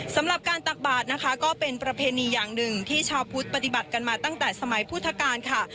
สำหรับการตักบาทนะคะก็เป็นประเพณีอย่างหนึ่งที่ชาวพุทธปฏิบัติกันมาตั้งแต่สมัยพุทธกาลค่ะ